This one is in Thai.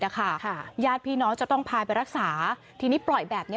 นะค่ะค่ะญาติมีพี่น้องจะต้องพาไปรักษาที่นี่ปล่อยแบบเนี่ย